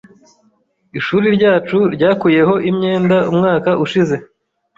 Ishuri ryacu ryakuyeho imyenda umwaka ushize.